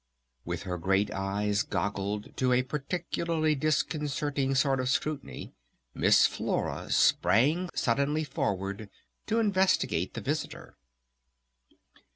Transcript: With her great eyes goggled to a particularly disconcerting sort of scrutiny Miss Flora sprang suddenly forward to investigate the visitor.